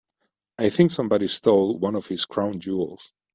I think somebody stole one of his crown jewels.